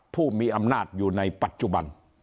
ผู้มีอำนาจอยู่ในปัจจุบัน